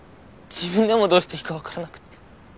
自分でもどうしていいかわからなくて。